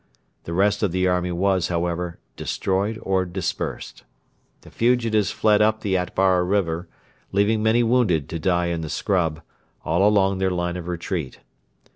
The rest of the army was, however, destroyed or dispersed. The fugitives fled up the Atbara river, leaving many wounded to die in the scrub, all along their line of retreat.